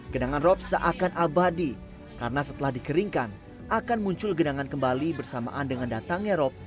genangan rop seakan abadi karena setelah dikeringkan akan muncul genangan kembali bersamaan dengan datangnya rop